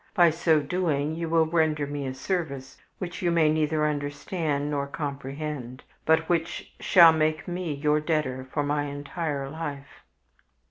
By so doing you will render me a service which you may neither understand nor comprehend, but which shall make me your debtor for my entire life."